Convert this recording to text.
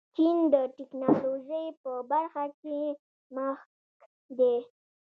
چین د ټیکنالوژۍ په برخه کې مخکښ دی.